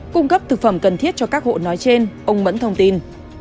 cung cấp thực phẩm cần thiết cho các hộ nói trên ông mẫn thông tin